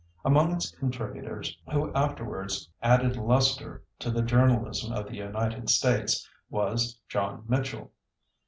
Among its contributors, who afterwards added lustre to the journalism of the United States, was John Mitchel.